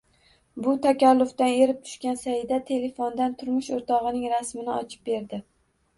Bu takallufdan erib tushgan Saida, telefondan turmush o`rtog`ining rasmini ochib berdi